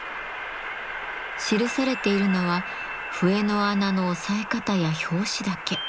記されているのは笛の穴の押さえ方や拍子だけ。